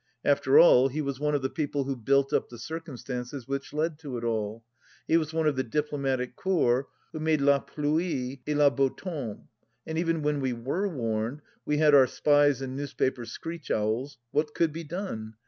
After all, he was one of the people who built up the circumstances which led to it all — he was one of the Diplomatic corps who made la pluie et le beau temps ! And even when we were warned — ^we had our spies and news paper screech owls — what could be done